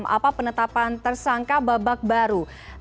apa penetapan tersangka babak baru